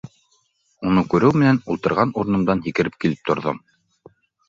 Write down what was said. Уны күреү менән, ултырған урынымдан һикереп килеп торҙом.